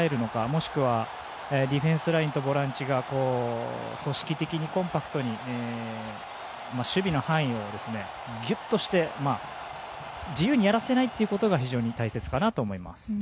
もしくはディフェンスラインとボランチが組織的に、コンパクトに守備の範囲をギュッとして自由にやらせないことが大切かなと思います。